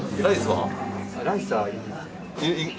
はい。